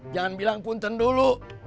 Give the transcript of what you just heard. jangan bilang punten dulu